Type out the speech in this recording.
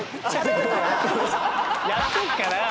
やってるから！